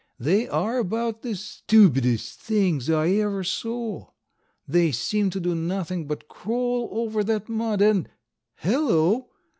They are about the stupidest things I ever saw. They seem to do nothing but crawl over that mud and—Hello!